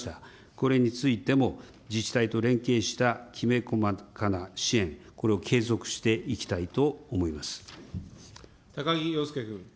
これについても自治体と連携したきめ細かな支援、これを継続して高木陽介君。